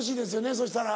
そしたら。